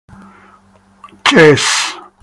Kiss